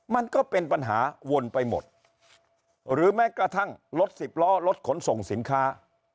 มันก็เป็นปัญหาวนไปหมดหรือแม้กระทั่งรถสิบล้อรถขนส่งสินค้า